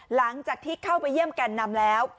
หลังจากที่เข้าไปเยี่ยมแก่นนำแล้ว